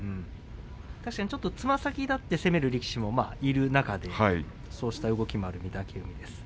確かにつま先だって攻める力士もいる中でそうした動きもある御嶽海です。